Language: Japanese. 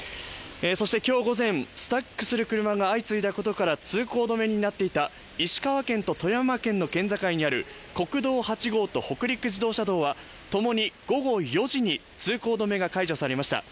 今日午前、スタックする車が相次いだことから通行止めになっていた石川県と富山県の県境にある国道８号と北陸自動車道は共に午後４時に通行止めが解除されました。